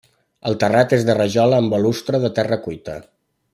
El terrat és de rajola amb balustre de terra cuita.